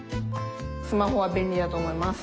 スマホは便利だと思います。